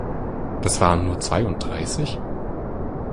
Das waren nur zweiunddreißig?